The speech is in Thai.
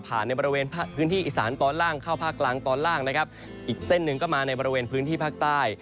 ในบริเวณพื้นที่อีสานตอนล่างเข้าภาคกลางตอนล่างนะครับอีกเส้นหนึ่งก็มาในบริเวณพื้นที่ภาคใต้